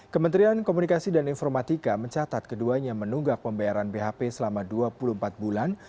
kementerian komunikasi dan informatika mencatat keduanya menunggak pembayaran bhp selama dua puluh empat bulan